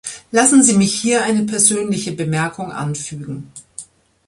Lassen Sie mich hier eine persönliche Bemerkung anfügen.